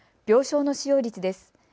病床の使用率です。